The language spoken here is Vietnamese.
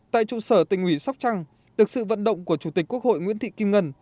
tại trụ sở tỉnh ủy sóc trăng được sự vận động của chủ tịch quốc hội nguyễn thị kim ngân